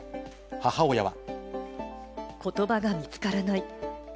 母親は。